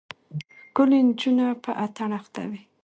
ښکلې نجونه په اتڼ اخته وې.